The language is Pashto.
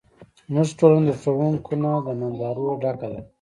زموږ ټولنه د ښوونکو نه، د نندارو ډکه ده.